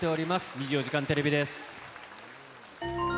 ２４時間テレビです。